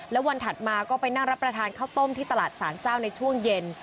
แล้ววันถัดมาก็ไปนั่งรับประทานข้าวต้มที่ตลาดสารเจ้าในช่วงเย็น